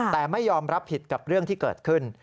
แต่ไม่ยอมรับผิดกับเรื่องที่เกิดขึ้น